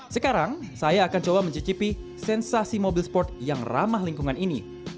sekarang saya akan coba mencicipi sensasi mobil sport yang ramah lingkungan ini